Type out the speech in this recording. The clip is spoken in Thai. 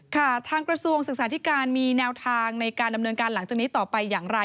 ค่ะทางกระทรวงศึกษาธิการมีแนวทางในการดำเนินการหลังจากนี้ต่อไปอย่างไร